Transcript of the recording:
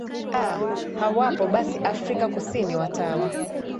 aa hawapo basi afrika kusini watawa